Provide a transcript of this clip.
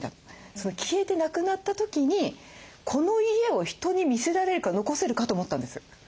その消えてなくなった時にこの家を人に見せられるか残せるか」と思ったんです。